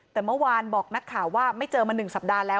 แต่เมื่อวานบอกนักข่าวว่าไม่เจอมา๑สัปดาห์แล้ว